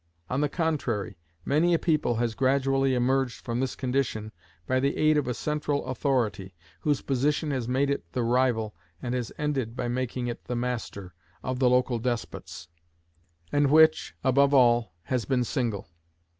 On the contrary, many a people has gradually emerged from this condition by the aid of a central authority, whose position has made it the rival, and has ended by making it the master, of the local despots, and which, above all, has been single.